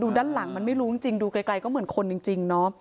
ด้านหลังมันไม่รู้จริงดูไกลก็เหมือนคนจริงเนาะ